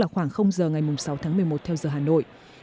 khoảng giờ ngày sáu tháng một mươi một theo giờ hà nội